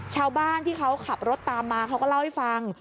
ชาวบ้านที่เขาขับรถตามมาเขาก็เล่าให้ฟัง